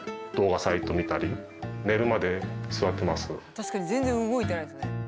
確かに全然動いてないですね。